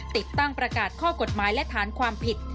ติดตั้งประกาศข้อกฎหมายและฐานความผิด